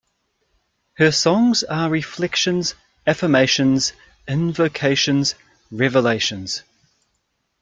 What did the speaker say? Her songs are reflections, affirmations, invocations, revelations.